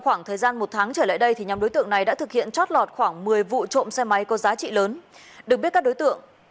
trong thời gian một tháng trở lại đây nhóm đối tượng này đã thực hiện trót lọt khoảng một mươi vụ trộm xe máy có giá trị lớn